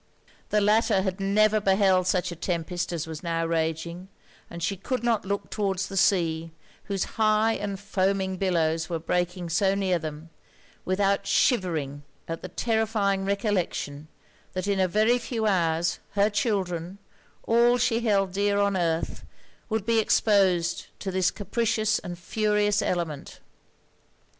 The latter had never beheld such a tempest as was now raging; and she could not look towards the sea, whose high and foaming billows were breaking so near them, without shivering at the terrifying recollection, that in a very few hours her children, all she held dear on earth, would be exposed to this capricious and furious element.